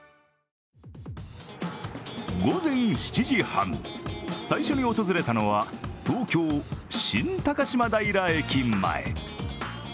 午前７時半、最初に訪れたのは東京・新高島平駅前。